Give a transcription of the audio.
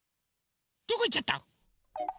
どこいっちゃった？